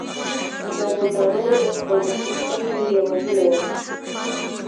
له نندارو یې خوند اخیستل مې یوه هیله وه.